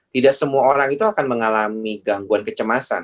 tidak semua orang itu akan mengalami gangguan kecemasan